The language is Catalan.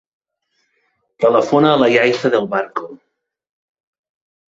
Telefona a la Yaiza Del Barco.